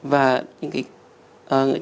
và những cái rối loạn tâm thần